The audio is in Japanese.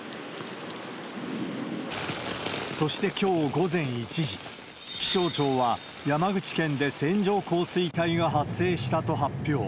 そして、きょう午前１時、気象庁は山口県で線状降水帯が発生したと発表。